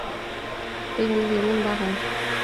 背上都是严重的伤痕